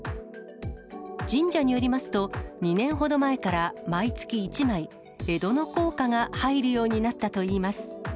神社によりますと、２年ほど前から毎月１枚、江戸の硬貨が入るようになったといいます。